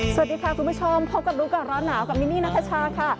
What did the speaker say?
สวัสดีค่ะคุณผู้ชมพบกับรู้ก่อนร้อนหนาวกับมินนี่นัทชาค่ะ